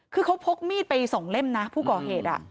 คือเขาพกมีดไปสองเล่มนะผู้ก่อเหตุ